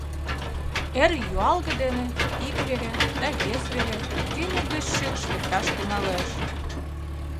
Эр юалге дене ик вере да вес вере тӱньык гыч шикш лекташ тӱҥалеш.